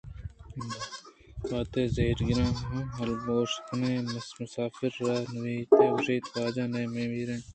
بہت ءَ زہر گِران ءُ ہلبوش کنان ءَ مُسافر ءَ را ٹوہینت ءُ گوٛشت واجہ ئیں میر